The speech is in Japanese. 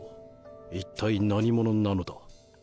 一体何者なのだ？